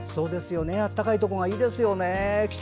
暖かいところがいいですよね。